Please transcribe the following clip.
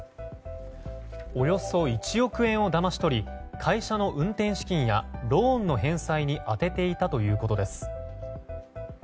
およそ１億円をだまし取り会社の運転資金やローンの返済に充てていたということです。